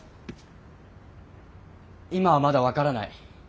今はまだ分からない。